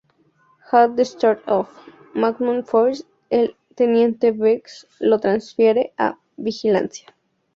At the start of "Magnum Force" El teniente Briggs lo transfiere a Vigilancia.